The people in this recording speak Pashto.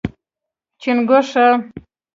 🐸 چنګوښه